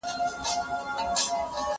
زه پرون سیر وکړ،